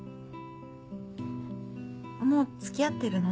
もうつきあってるの。